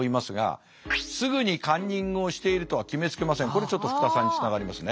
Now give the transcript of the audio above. これちょっと福田さんにつながりますね。